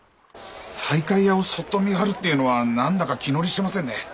西海屋をそっと見張るってえのは何だか気乗りしませんね。